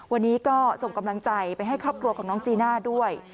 วันนี้ก็ส่งกำลังใจไปให้ครอบครัวของน้องจีน่าด้วย